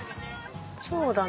そうだね。